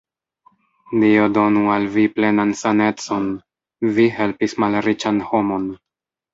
Dio donu al vi plenan sanecon! vi helpis malriĉan homon.